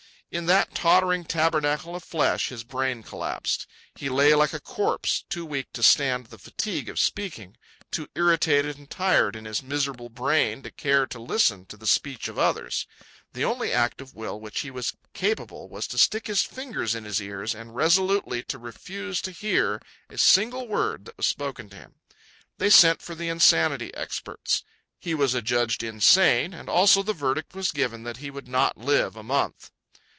In that tottering tabernacle of flesh, his brain collapsed. He lay like a corpse, too weak to stand the fatigue of speaking, too irritated and tired in his miserable brain to care to listen to the speech of others. The only act of will of which he was capable was to stick his fingers in his ears and resolutely to refuse to hear a single word that was spoken to him. They sent for the insanity experts. He was adjudged insane, and also the verdict was given that he would not live a month.